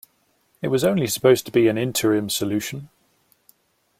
It was only supposed to be an interim solution.